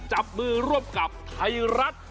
จับมือร่วมกับไทยรัฐ